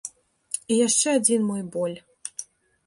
І яшчэ адзін мой боль.